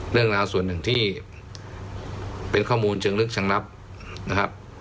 เรื่องราวส่วนหนึ่งที่เป็นข้อมูลเชิงลึกเชิงลับนะครับ